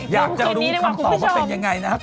อยากจะรู้คำตอบว่าเป็นยังไงนะครับ